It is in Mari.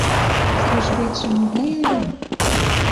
Службетше могай ыле?